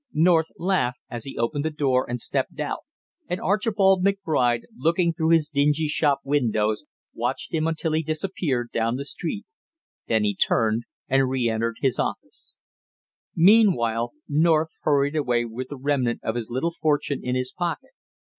North laughed as he opened the door and stepped out; and Archibald McBride, looking through his dingy show windows, watched him until he disappeared down the street; then he turned and reëntered his office. Meanwhile North hurried away with the remnant of his little fortune in his pocket.